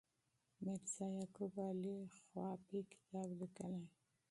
میرزا یعقوب علي خوافي کتاب لیکي.